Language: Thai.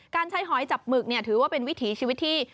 การใช้หอยจับหมึกถือว่าเป็นวิถีชีวิตที่